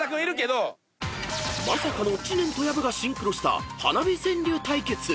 ［まさかの知念と薮がシンクロした花火川柳対決］